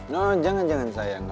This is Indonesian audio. nooo jangan jangan sayang